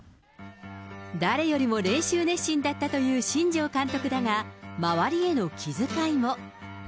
誰よりも練習熱心だったという新庄監督だが、周りへの気遣いも。